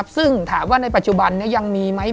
ซึ่งถามว่าในปัจจุบันนี้ยังมีไหม